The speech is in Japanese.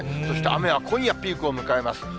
そして雨は今夜ピークを迎えます。